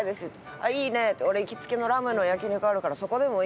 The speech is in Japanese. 「あっいいね！」って「俺行きつけのラムの焼肉あるからそこでもいい？」